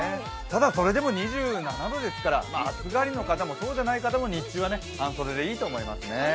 ただ、それでも２７度ですから、暑がりの方も寒がりの方も日中は半袖でいいと思いますね。